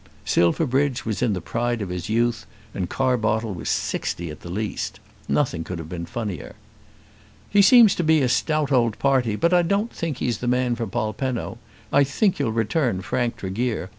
Silverbridge was in the pride of his youth, and Carbottle was sixty at the least. Nothing could have been funnier. "He seems to be a stout old party, but I don't think he's the man for Polpenno. I think you'll return Frank Tregear.